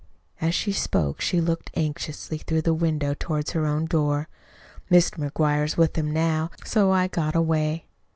As she spoke she looked anxiously through the window toward her own door. "Mr. McGuire's with him, now, so I got away."